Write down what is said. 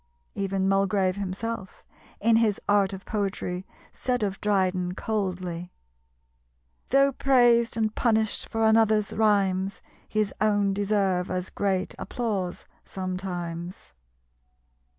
Even Mulgrave himself, in his Art of Poetry said of Dryden coldly "Though praised and punished for another's rhymes, His own deserve as great applause sometimes."